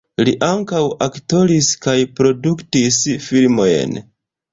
Li ankaŭ aktoris kaj produktis filmojn.